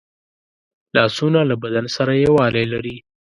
لاسونه له بدن سره یووالی لري